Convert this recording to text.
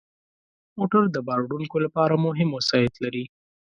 موټر د بار وړونکو لپاره مهم وسایط لري.